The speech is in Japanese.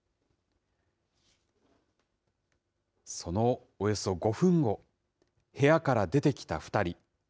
そのおよそ５分後、部屋から出てきた２人。